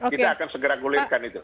kita akan segera gulirkan itu